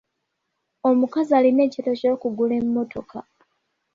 Omukazi alina ekirooto ky'okugula emmotoka.